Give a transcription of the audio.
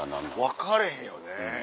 分かれへんよね。